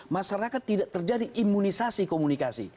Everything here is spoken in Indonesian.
masyarakat tidak terjadi imunisasi komunikasi